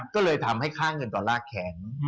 ก็เลยทำให้ค่าเงินดอลลาร์แข็ง